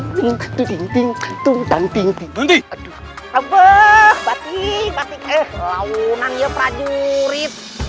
abo batik batik eh kelaunan ya prajurit